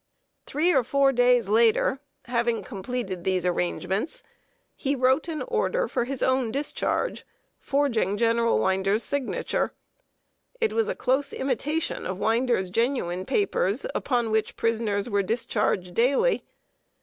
Three or four days later, having completed these arrangements, he wrote an order for his own discharge, forging General Winder's' signature. It was a close imitation of Winder's genuine papers upon which prisoners were discharged daily.